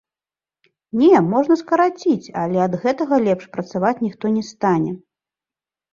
Не, можна скараціць, але ад гэтага лепш працаваць ніхто не стане.